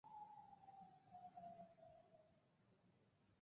তার আসল নাম কখনো প্রকাশ করা হয়নি।